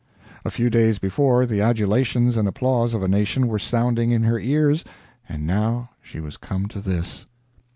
A few days before, the adulations and applauses of a nation were sounding in her ears, and now she was come to this!